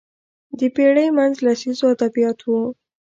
د پېړۍ منځ لسیزو ادبیات وو